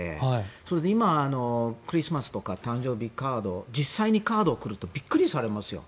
それで今クリスマスとか誕生日カード実際にカードを送るとびっくりされますよ。